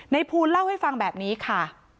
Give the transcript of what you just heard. ภูลเล่าให้ฟังแบบนี้ค่ะ